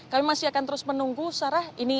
kami masih akan terus menunggu sarah